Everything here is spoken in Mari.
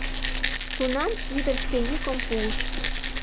Тунам ӱдыр шке йӱкым пуыш: